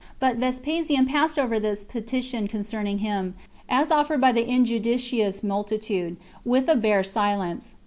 But Vespasian passed over this petition concerning him, as offered by the injudicious multitude, with a bare silence.